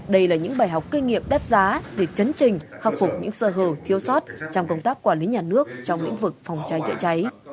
đây là những bài học kinh nghiệm đắt giá để chấn trình khắc phục những sơ hở thiếu sót trong công tác quản lý nhà nước trong lĩnh vực phòng cháy chữa cháy